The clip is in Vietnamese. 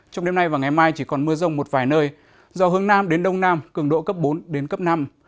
trong đêm nay và ngày mai chỉ còn mưa rông một vài nơi do hướng nam đến đông nam cường độ cấp bốn đến cấp năm